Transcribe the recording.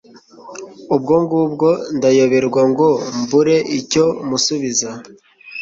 ubwo ngubwo ndayoberwa ngo mbure icyo musubiza